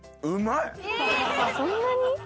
うまい！